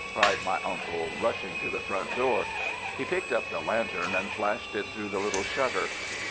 cried my uncle, rushing to the front door. He picked up the lantern and flashed it through the little shutter.